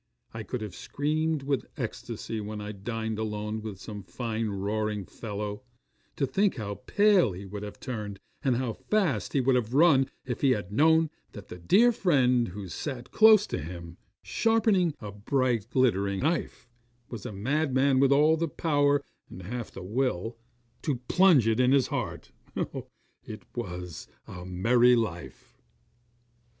I could have screamed with ecstasy when I dined alone with some fine roaring fellow, to think how pale he would have turned, and how fast he would have run, if he had known that the dear friend who sat close to him, sharpening a bright, glittering knife, was a madman with all the power, and half the will, to plunge it in his heart. Oh, it was a merry life!